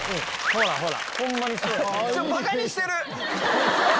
ほらほら。